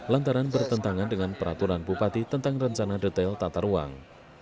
lantaran bertentangan dengan peraturan bupati tentang rencana detail tata ruang